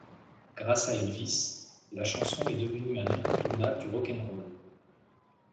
Grâce à Elvis, la chanson est devenue un incontournable du rock'n'roll.